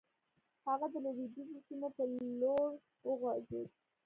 هغه د لويديځو سيمو پر لور وخوځېد.